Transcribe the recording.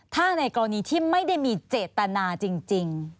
ถ้าในกรณีที่ไม่ได้มีเจตนาจริง